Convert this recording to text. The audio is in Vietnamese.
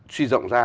suy dọng ra